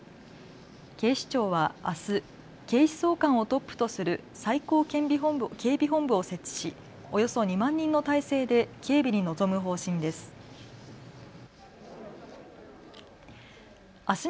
警視庁はあす、警視総監をトップとする最高警備本部を設置しおよそ２万人の態勢で警備に臨む方針です。